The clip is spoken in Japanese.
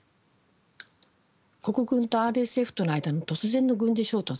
国軍とＲＳＦとの間の突然の軍事衝突。